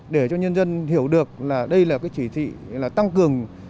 để cho nhân dân hiểu được là đây là cái chỉ thị là tăng cường